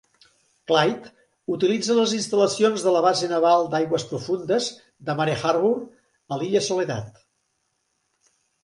"Clyde" utilitza les instal·lacions de la base naval d'aigües profundes de Mare Harbour, a l'Illa Soledad.